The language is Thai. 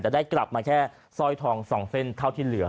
แต่ได้กลับมาแค่สร้อยทอง๒เส้นเท่าที่เหลือ